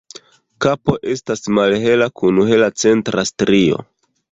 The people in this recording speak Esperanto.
Kapo estas malhela kun hela centra strio.